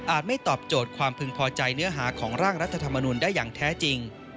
ไม่ตอบโจทย์ความพึงพอใจเนื้อหาของร่างรัฐธรรมนุนได้อย่างแท้จริง